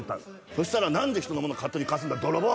そしたら「何で人のもの勝手に貸すんだ泥棒！」